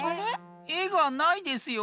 えがないですよ。